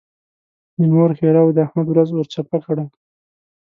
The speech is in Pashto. د مور ښېراوو د احمد ورځ ور چپه کړه.